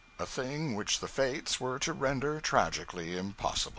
A thing which the fates were to render tragically impossible!